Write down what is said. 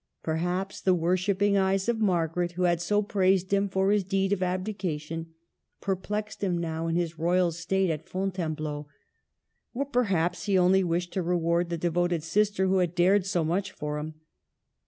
Perhaps the worshipping eyes of Margaret, who had so praised him for his deed of abdication, perplexed him now in his royal state at Fon tainebleau ; or perhaps he only wished to reward the devoted sister who had dared so much for him.